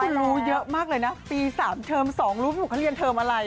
นี่คุณรู้เยอะมากเลยนะปี๓เทิม๒รู้ว่าคุณเค้าเรียนเทิมอะไร